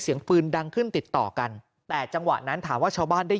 เสียงปืนดังขึ้นติดต่อกันแต่จังหวะนั้นถามว่าชาวบ้านได้